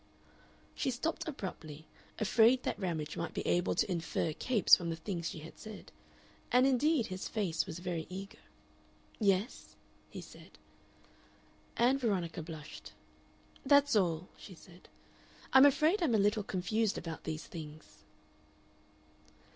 She stopped abruptly, afraid that Ramage might be able to infer Capes from the things she had said, and indeed his face was very eager. "Yes?" he said. Ann Veronica blushed. "That's all," she said "I'm afraid I'm a little confused about these things."